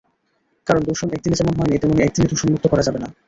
কারণ, দূষণ একদিনে যেমন হয়নি, তেমনি একদিনে দূষণমুক্ত করা যাবে না।